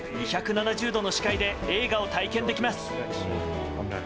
２７０度の視界で映画を体験できます。